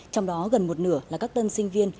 trong đó gần một nửa là các tân sinh viên